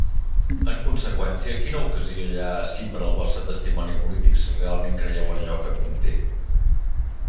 En conseqüència, ¿quina ocasió hi ha ací per al vostre testimoni polític si realment creieu en allò que conté?